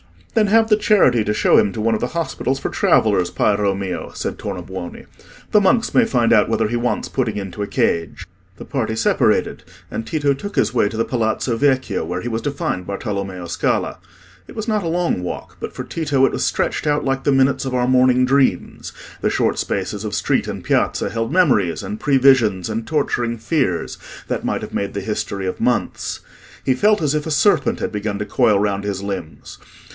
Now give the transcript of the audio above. "Then have the charity to show him to one of the hospitals for travellers, Piero mio," said Tornabuoni. "The monks may find out whether he wants putting into a cage." The party separated, and Tito took his way to the Palazzo Vecchio, where he was to find Bartolommeo Scala. It was not a long walk, but, for Tito, it was stretched out like the minutes of our morning dreams: the short spaces of street and piazza held memories, and previsions, and torturing fears, that might have made the history of months. He felt as if a serpent had begun to coil round his limbs.